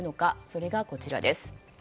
それが、こちらです。